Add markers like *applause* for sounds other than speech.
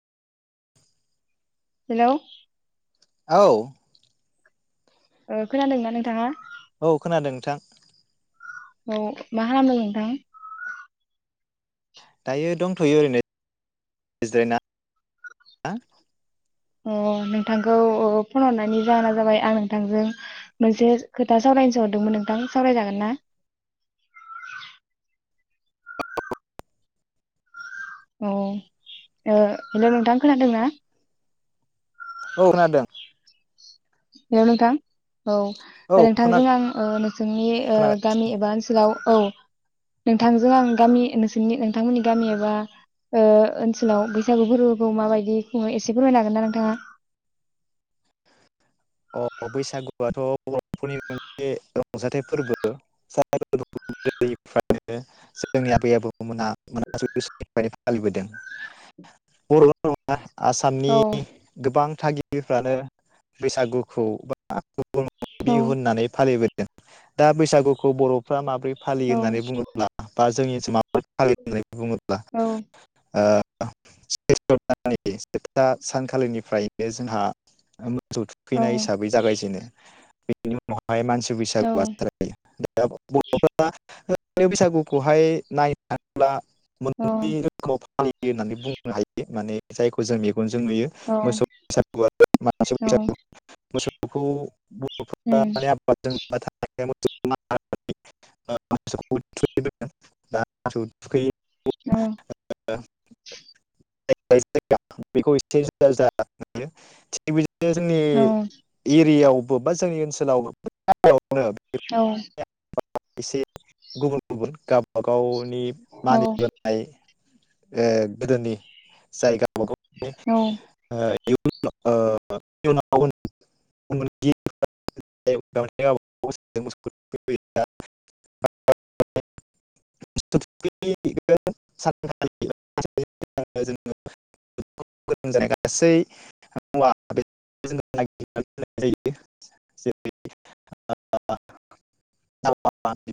हेल'। औ। खोनादोंना नोंथाङा? औ खोनादों नोंथां। औ मा खालामदों नोंथां? दायो दंथ'यो ओरैनो जिरायना। अ' नोंथांखौ फन हरनायनि जाहोना जाबाय आं नोंथांजों मोनसे खोथा सावरायनोसो हरदोंमोन नोंथां सावरायजागोन ना? अ' ओ हेल' नोंथां खोनादोंना? औ खोनादों। हेलौ नोंथां। औ नोंथांजों आं ओ नोंसोरनि ओ खोनादों गामि एबा ओनसोलाव औ नोंथांजों आं गामि नोंसोनि नोंथांमोननि गामि एबा ओ ओनसोलाव बैसागु फोरबोखौ माबायदि खुङो एसे फोरमायनो हागोन ना नोंथाङा? अ' बैसागुआथ' बर'फोरनि मोनसे रंजाथाइ फोरबो *unintelligible* जोंनि आबै आबौ मोना *unintelligible* फालिबोदों बर'ल' नङा औ आसामनि गोबां थागिबिफ्रानो बैसागु खौ बा *unintelligible* औ बिहु होननानै फालिबो दों दा बैसागुखौ बर' फ्रा माबोरै फालियो औ होननानै बुङोब्ला? बा जोंनि *unintelligible* फालि बुङोब्ला ओ *unintelligible* सानखालिनिफ्रायनो जोंहा औ फैनाय हिसाबै जागायजेनो *inaudible* *unintelligible* फाय मानसि बैसागुआ जायो बर'फोरा *unintelligible* बैसागुखौहाय नाय *unintelligible* थाङोब्ला औ मोननै रोखोमाव फालियो होननानै बुंनो हायो माने जायखौ जों मेगनजों नुयो मोसौ औ बैसागुआ औ *unintelligible* मोसौखौ उम *unintelligible* *unintelligible* औ जाया बेखौ एसे *unintelligible* थि बे *unintelligible* जोंनि एरियायाव बबेबा जोंनि ओनसोलाव *unintelligible* नो औ एसे गुबुन गुबुन गावबा गाव औ मानिबोनाय ए गोदोनि जायगा ओ औ औ *unintelligible* जानाय गासै मुवा बेसादखौ जेरै *unintelligible*